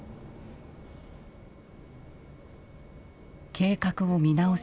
計画を見直し